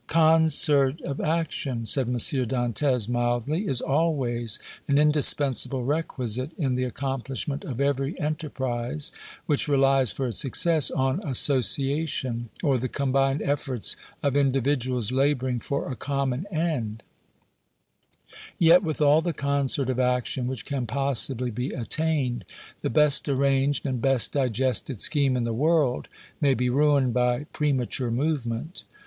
"Concert of action," said M. Dantès, mildly, "is always an indispensable requisite in the accomplishment of every enterprise which relies for its success on association, or the combined efforts of individuals laboring for a common end; yet, with all the concert of action which can possibly be attained, the best arranged and best digested scheme in the world may be ruined by premature movement.